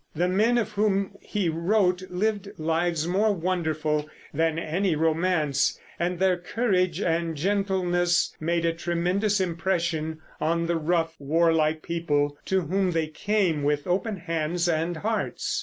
The men of whom he wrote lived lives more wonderful than any romance, and their courage and gentleness made a tremendous impression on the rough, warlike people to whom they came with open hands and hearts.